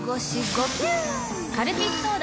カルピスソーダ！